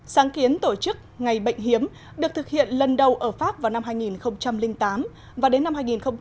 sáng kiến tổ chức ngày bệnh hiếm được thực hiện lần đầu ở pháp vào năm hai nghìn tám và đến năm hai nghìn một mươi